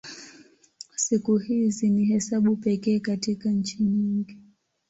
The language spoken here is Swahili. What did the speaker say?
Siku hizi ni hesabu pekee katika nchi nyingi.